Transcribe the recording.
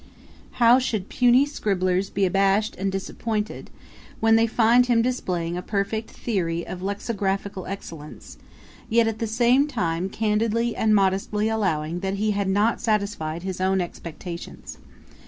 How should puny scribblers be abashed and disappointed, when they find him displaying a perfect theory of lexicographical excellence, yet at the same time candidly and modestly allowing that he 'had not satisfied his own expectations.'